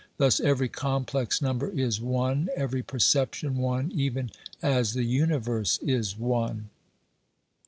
Thus, every complex number is one, every perception one, even as the universe is one.